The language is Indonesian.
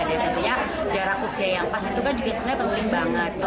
dan tentunya jarak usia yang pas itu kan juga sebenarnya penting banget